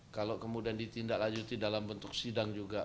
kalau kemudian ditindaklanjuti dalam bentuk sidang juga